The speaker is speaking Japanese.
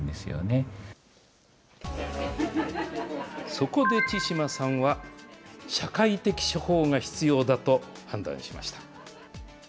そこで千嶋さんは、社会的処方が必要だと判断しました。